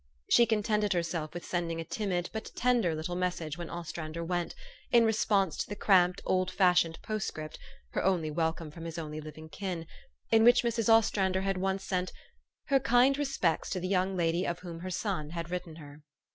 She contented herself with sending a timid but tender little message when Ostrander went, in response to the cramped, old fashioned postscript her only welcome from his only living kin in which Mrs. Ostrander had once sent " her kind respects to the young lady of whom her son had written her."